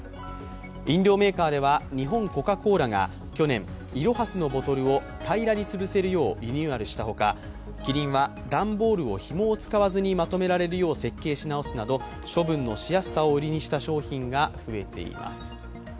飲料メーカーは日本コカ・コーラが去年い・ろ・は・すのボトルを平らに潰せるようリニューアルしたほか、キリンは段ボールをひもを使わずにまとめられるよう設計し直すなど処分のしやすさを売りにした商品が増えています。